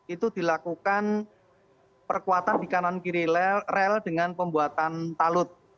itu dilakukan perkuatan di kanan kiri rel dengan pembuatan talut